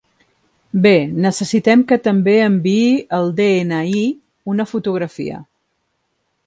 Bé, necessitem que també enviï el de-ena-i, una fotografia.